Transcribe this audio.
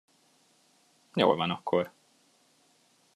Jól van akkor.